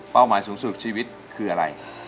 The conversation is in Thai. หมายสูงสุดชีวิตคืออะไร